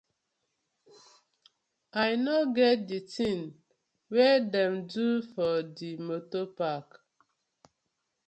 I no get di tin wey dem do for di motor park.